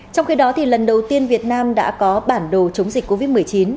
trong khi đó lần đầu tiên việt nam đã có bản đồ chống dịch covid một mươi chín